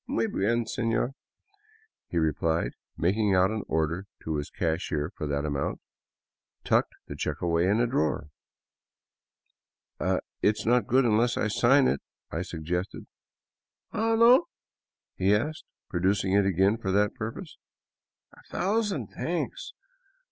" Muy bien, senor," he replied, and making out an order to his cashier for that amount, tucked the check away in a drawer. " It is not good unless I sign it," I suggested. " Ah, no ?" he asked, producing it again for that purpose, " A thou sand thanks.